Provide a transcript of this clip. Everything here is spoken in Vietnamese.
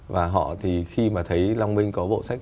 và họ thì khi mà thấy long minh có bộ sách